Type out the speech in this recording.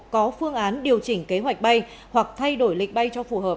có phương án điều chỉnh kế hoạch bay hoặc thay đổi lịch bay cho phù hợp